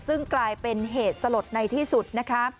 ซึ่งกลายเป็นเหตุสลดในที่สุดนะคะ